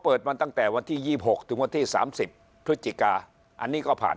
เปิดมาตั้งแต่วันที่๒๖ถึงวันที่๓๐พฤศจิกาอันนี้ก็ผ่าน